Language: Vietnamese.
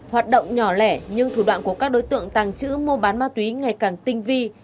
hoạt động nhỏ lẻ nhưng thủ đoạn của các đối tượng tàng trữ mua bán ma túy ngày càng tinh vi